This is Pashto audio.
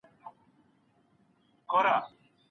خپل پلان ته په هره بیه ژمن پاته سئ.